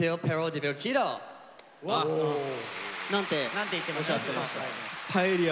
何て言ってました？